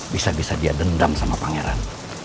bisa bisa dia dendam sama pangeran